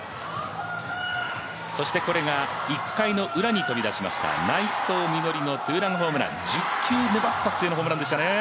そしてこれが１回のウラに飛び出しました内藤実穂のツーランホームラン、１０球粘った末のホームランでしたね。